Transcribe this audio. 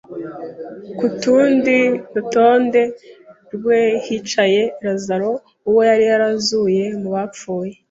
ku tundi nthande rwe hicaye Lazaro, uwo yari yarazuye mu bapfuye